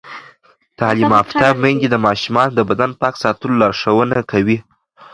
تعلیم یافته میندې د ماشومانو د بدن پاک ساتلو لارښوونه کوي.